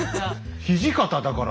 「土方だから」